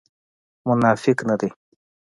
منافق نه دی.